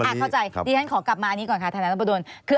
เข้าใจดิฉันขอกลับมาอันนี้ก่อนค่ะธนประดน